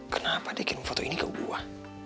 kenapa dia kirim foto ini ke buah